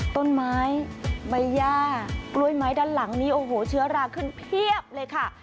ต้นไม้ใบย่ากล้วยไม้ด้านหลังนี้โอ้โหเชื้อราขึ้นเพียบเลยค่ะ